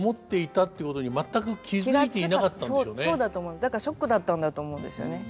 だからショックだったんだと思うんですよね。